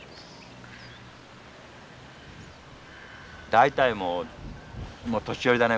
大体もうもう年寄りだね